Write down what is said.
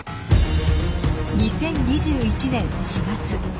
２０２１年４月。